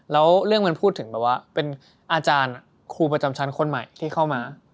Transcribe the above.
แล้วเรื่องมันพูดถึงแบบว่าเป็นอาจารย์ครูประจำชั้นคนใหม่ที่เข้ามา